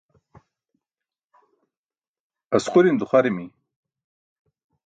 asquriṅ duqharimi